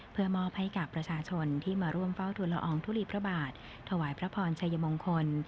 เพื่อมอบให้กับประชาชนที่มาร่วมเฝ้าทุนละอองทุลีพระบาทถวายพระพรชัยมงคล